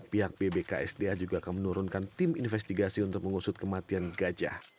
pihak bbksda juga akan menurunkan tim investigasi untuk mengusut kematian gajah